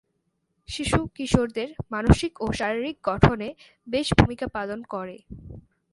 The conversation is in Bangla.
শিশু-কিশোরদের মানসিক ও শারীরিক গঠনে বেশ ভূমিকা পালন করে।